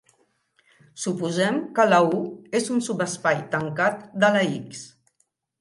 Suposem que la "U" és un subespai tancat de la "X".